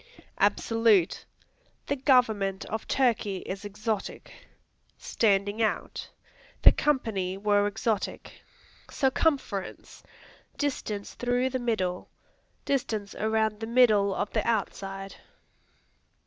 Absolute; "The government of Turkey is exotic." Standing out; "The company were exotic." Circumference Distance through the middle. Distance around the middle of the outside.